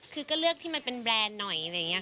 คือก็เลือกที่มันเป็นแบรนด์หน่อยอะไรอย่างนี้ค่ะ